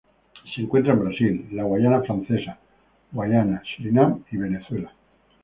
Se encuentra en Brasil, la Guayana Francesa, Guayana, Surinam y Venezuela.